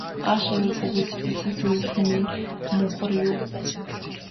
Ааш авир бөгөөс сэтгэлийн сүйтгэл хэмээн мунхар юу.